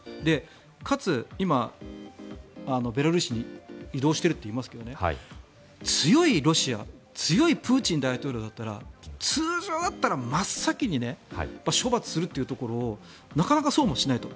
かつ、今、ベラルーシに移動しているといいますが強いロシア強いプーチン大統領だったら通常だったら真っ先に処罰するというところをなかなかそうもしないと。